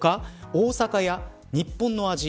大阪や日本の味